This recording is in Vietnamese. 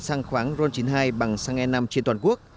săng khoáng ron chín mươi hai bằng săng e năm trên toàn quốc